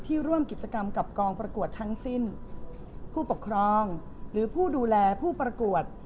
ร่วมกิจกรรมกับกองประกวดทั้งสิ้นผู้ปกครองหรือผู้ดูแลผู้ประกวด